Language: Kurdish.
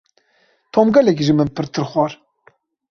Tom gelekî ji min pirtir xwar.